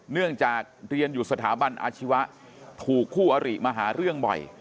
เนื่องจากเรียนอยู่สถาบันอาชีวะถูกคู่อริมาหาเรื่องบ่อย